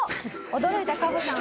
驚いたカホさん